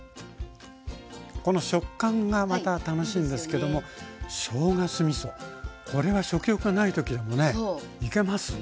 この食感がまた楽しいんですけどもしょうが酢みそこれは食欲がない時でもねいけますね。